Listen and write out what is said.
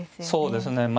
そうですね。